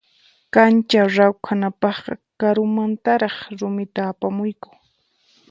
Kancha rawkhanapaqqa karumantaraq rumita apamuyku.